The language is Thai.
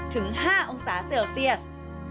ถึง๕องศาเซลเซียส